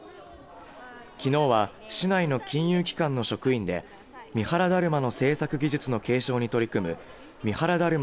きのうは市内の金融機関の職員で三原だるまの製作技術の継承に取り組む三原だるま